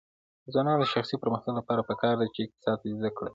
د ځوانانو د شخصي پرمختګ لپاره پکار ده چې اقتصاد زده کړي.